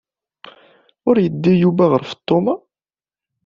Ur yeddi Yuba ɣer Feṭṭuma?